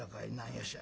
よっしゃ。